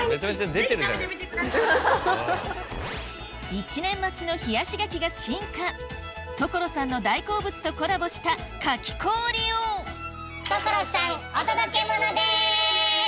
１年待ちの冷やし柿が進化所さんの大好物とコラボした柿こーりを所さんお届けモノです！